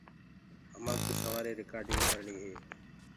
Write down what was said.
همآڪوُ سوآري رِڪآرڊيٚنگ ڪرڻي هي۔